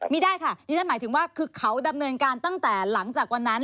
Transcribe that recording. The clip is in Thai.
ไม่ได้ค่ะดิฉันหมายถึงว่าคือเขาดำเนินการตั้งแต่หลังจากวันนั้น